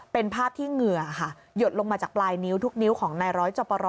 เป็นภาพที่เหงื่อค่ะหยดลงมาจากปลายนิ้วทุกนิ้วของนายร้อยจอปร